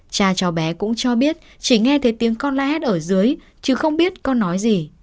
cha cháu bé cũng cho biết chỉ nghe thấy tiếng con lát ở dưới chứ không biết con nói gì